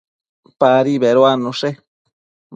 Padi beduannushe